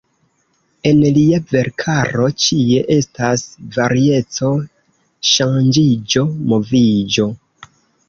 En lia verkaro ĉie estas varieco, ŝanĝiĝo, moviĝo.